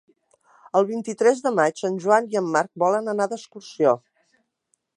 El vint-i-tres de maig en Joan i en Marc volen anar d'excursió.